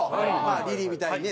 リリーみたいにね